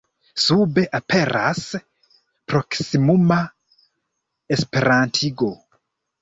Sube aperas proksimuma Esperantigo.